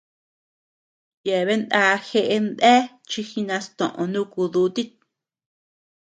Yeabean ndá jeʼe ndéa chi jinastoʼö nuku dutit.